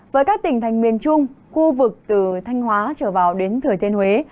với các tỉnh thành miền trung khu vực từ thanh hóa trở vào đến thừa thiên huế